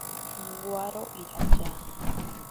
Woro iracha.